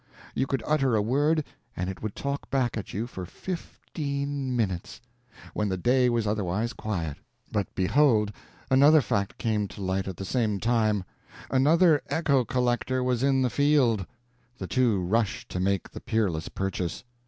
You could utter a word and it would talk back at you for fifteen minutes, when the day was otherwise quiet. But behold, another fact came to light at the same time: another echo collector was in the field. The two rushed to make the peerless purchase.